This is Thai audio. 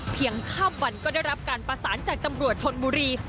ข้ามวันก็ได้รับการประสานจากตำรวจชนบุรี